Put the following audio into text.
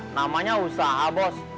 namanya usaha bos